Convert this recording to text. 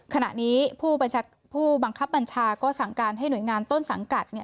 ขณะนี้ผู้บังคับบัญชาก็สั่งการให้หน่วยงานต้นสังกัดเนี่ย